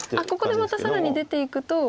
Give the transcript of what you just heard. ここでまた更に出ていくと。